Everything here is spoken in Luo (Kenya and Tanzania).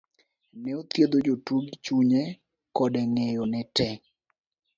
ne othiedho jotuo gi chunye kode ng'eyo ne tee.